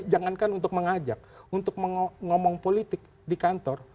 jangankan untuk mengajak untuk ngomong politik di kantor